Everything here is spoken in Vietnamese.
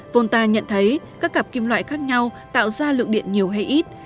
volta nhận thấy các cặp kim loại khác nhau tạo ra lượng điện nhiều hay ít